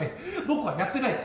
僕はやってない。